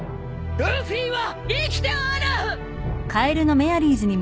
ルフィは生きておる！